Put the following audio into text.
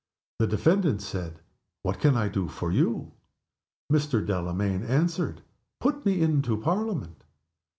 The defendant said, "What can I do for you?" Mr. Delamayn answered, "Put me into Parliament."